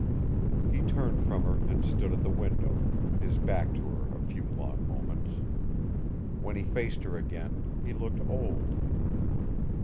He turned from her and stood at the window, his back to her a few long moments. When he faced her again, he looked old.